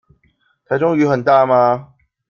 臺中雨很大嗎？